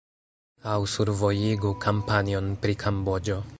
Aŭ survojigu kampanjon pri Kamboĝo.